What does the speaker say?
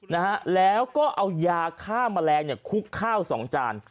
นะฮะแล้วก็เอายาฆ่าแมลงเนี่ยคุกข้าวสองจาน